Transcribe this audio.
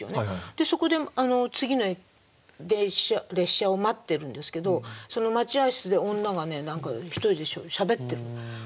そこで次の列車を待ってるんですけどその待合室で女がね何か一人でしゃべってる。